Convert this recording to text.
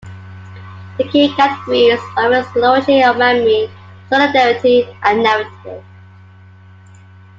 The key categories of his theology are memory, solidarity, and narrative.